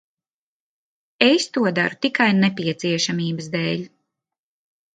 Es to daru tikai nepieciešamības dēļ.